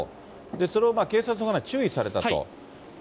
それを警察の方に注意されたと。